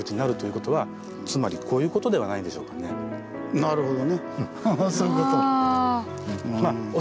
なるほど。